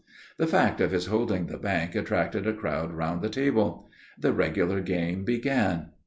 The fact of his holding the bank attracted a crowd round the table. The regular game began.